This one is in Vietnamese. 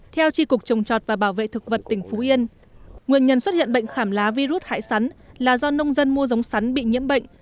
theo tri cục trồng chọt và bảo vệ thực vật tỉnh phú yên nguyên nhân xuất hiện bệnh khảm lá virus hại sắn là do nông dân mua giống sắn bị nhiễm bệnh